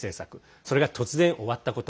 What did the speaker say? それが突然終わったこと。